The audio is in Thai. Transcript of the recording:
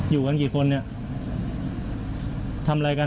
อยู่กันกี่คนเนี่ยทำอะไรกัน